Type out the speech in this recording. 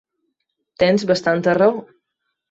Tens bastanta raó.